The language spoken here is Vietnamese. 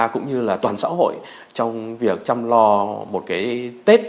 cũng như là toàn xã hội trong việc chăm lo một cái tết